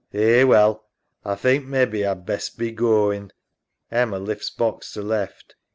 Eh, well, A think mebbe A'd best be goin'. EMMA (lifts box to left).